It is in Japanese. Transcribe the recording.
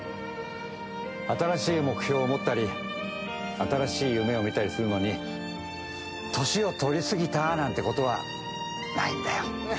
新しい目標を持ったり、新しい夢をみたりするのに、年を取り過ぎたなんてことはないんだよ。